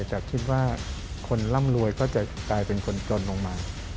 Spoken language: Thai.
จากคิดว่าคนร่ำรวยก็จะกลายเป็นคนจนลงมา